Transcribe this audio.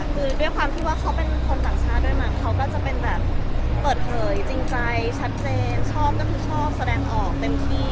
คือด้วยความที่ว่าเขาเป็นคนต่างชาติด้วยมั้งเขาก็จะเป็นแบบเปิดเผยจริงใจชัดเจนชอบก็คือชอบแสดงออกเต็มที่